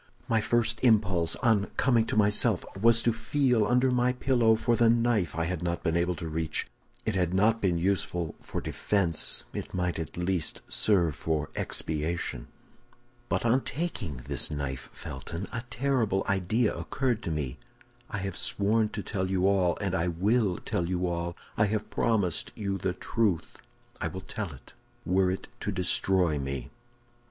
"My first impulse, on coming to myself, was to feel under my pillow for the knife I had not been able to reach; if it had not been useful for defense, it might at least serve for expiation. "But on taking this knife, Felton, a terrible idea occurred to me. I have sworn to tell you all, and I will tell you all. I have promised you the truth; I will tell it, were it to destroy me."